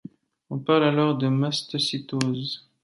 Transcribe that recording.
On parle alors de mastocytose.